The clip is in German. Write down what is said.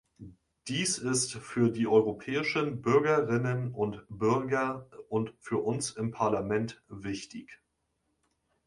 Dies ist für die europäischen Bürgerinnen und Bürger und für uns im Parlament wichtig.